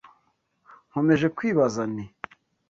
Nkomeje kwibaza nti.